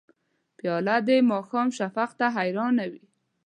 پیاله د ماښام شفق ته حیرانه وي.